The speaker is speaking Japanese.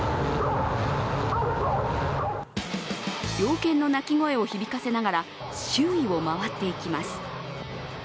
猟犬の鳴き声を響かせながら周囲を回っていきます。